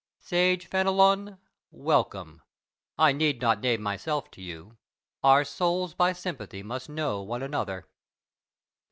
Sage Fenelon, welcome! I need not name myself to you. Our souls by sympathy must know one another.